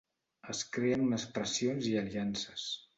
Es creen unes pressions i aliances.